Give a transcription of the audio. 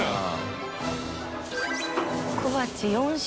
小鉢４種。